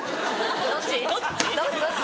どっち？